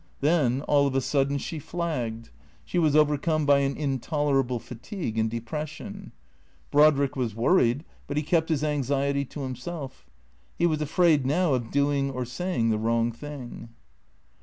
Then, all of a sudden she flagged; she was overcome by an intolerable fatigue and depression. Brodrick was worried, but he kept his anxiety to himself. He was afraid now of doing or saying the wrong thing.